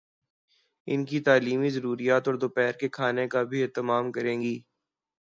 ان کی تعلیمی ضروریات اور دوپہر کے کھانے کا بھی اہتمام کریں گی۔